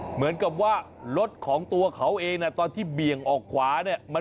เหมือนกับว่ารถของตัวเขาเองตอนที่เบี่ยงออกขวาเนี่ย